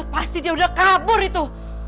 pasti dia udah kabur itu